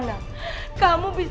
kalau makanan yang ibu beli ini